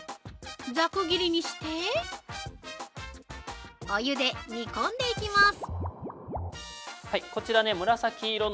ざく切りにしてお湯で煮込んでいきます。